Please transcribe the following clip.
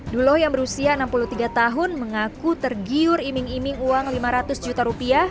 duloh yang berusia enam puluh tiga tahun mengaku tergiur iming iming uang lima ratus juta rupiah